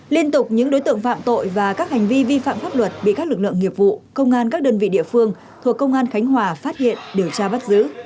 liên tục những đối tượng phạm tội và các hành vi vi phạm pháp luật bị các lực lượng nghiệp vụ công an các đơn vị địa phương thuộc công an khánh hòa phát hiện điều tra bắt giữ